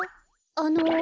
あの。